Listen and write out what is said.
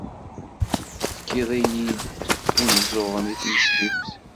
Tefkiḍ-iyi-d imeẓẓuɣen i tmesliwt.